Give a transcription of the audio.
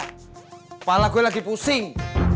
kepala gue lagi pusing